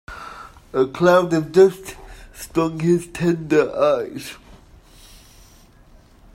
A cloud of dust stung his tender eyes.